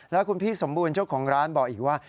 แล้วคุณพี่สมบูรณ์เจ้าของร้านบอกอีกว่า